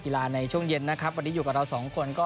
กีฬาในช่วงเย็นนะครับวันนี้อยู่กับเรา๒คน